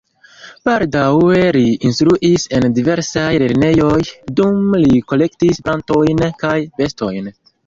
Baldaŭe li instruis en diversaj lernejoj, dume li kolektis plantojn kaj bestojn.